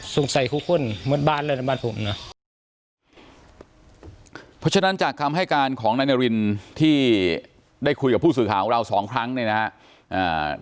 ใส่ทุกคนเหมือนบ้านแล้วนะบ้านผมนะเพราะฉะนั้นจากคำให้การของนายนารินที่ได้คุยกับผู้สื่อข่าวของเราสองครั้งเนี่ยนะฮะ